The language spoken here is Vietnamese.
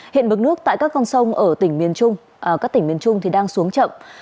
hiện bức nước tại các con sông ở tỉnh miền trung đang xuống chậm